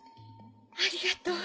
ありがとう。